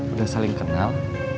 udah saling kenal